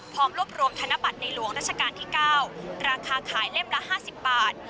พร้อมรวบรวมธนบัตรในหลวงราชการที่๙ราคาขายเล่มละ๕๐บาท